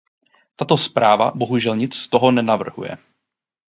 Tato zpráva bohužel nic z toho nenavrhuje.